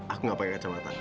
aku enggak pakai kacamata